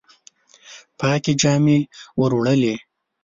پاکي جامي وروړلي